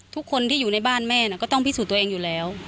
ทุกคนที่อยู่ในบ้านแม่ก็ต้องพิสูจน์ตัวเองอยู่แล้ว